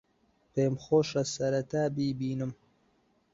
پێم خۆشە سەرەتا بیبینم.